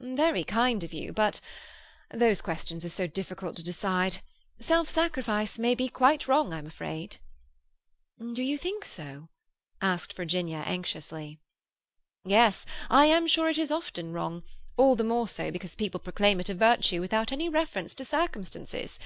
"Very kind of you, but—those questions are so difficult to decide. Self sacrifice may be quite wrong, I'm afraid." "Do you think so?" asked Virginia anxiously. "Yes, I am sure it is often wrong—all the more so because people proclaim it a virtue without any reference to circumstances.